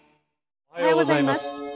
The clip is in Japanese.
おはようございます。